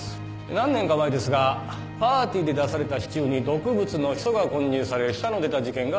何年か前ですがパーティーで出されたシチューに毒物のヒ素が混入され死者の出た事件がありました。